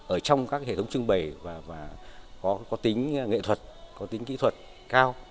ở trong các hệ thống trưng bày có tính nghệ thuật có tính kỹ thuật cao